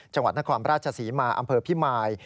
จังหวัดนครราชศรีมาอำเภอพิมาย